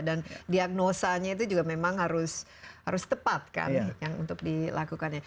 dan diagnosanya itu juga memang harus tepat kan untuk dilakukannya